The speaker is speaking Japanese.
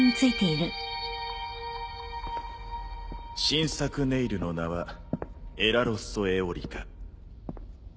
新作ネイルの名はエラロッソ・エオリカ。